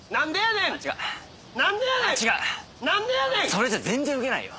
それじゃ全然ウケないよ。